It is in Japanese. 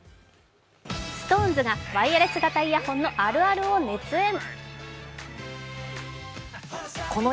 ＳｉｘＴＯＮＥＳがワイヤレスイヤホンのあるあるを熱演。